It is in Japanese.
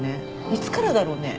いつからだろうね？